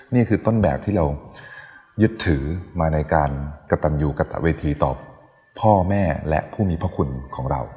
นี่คือต้นแบบที่เรายึดถือมาในการกระตันอยู่กระตะเวทีต่อพ่อแม่และผู้มีพระคุณของเรา